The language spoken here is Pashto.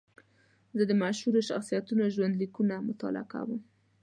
زه د مشهورو شخصیتونو ژوند لیکونه مطالعه کوم.